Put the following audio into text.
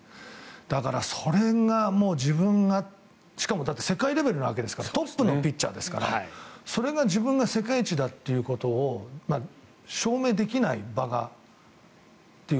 だから、それが自分がしかも世界レベルなわけですからトップのピッチャーですからそれが自分が世界一だということを証明できない、場がという。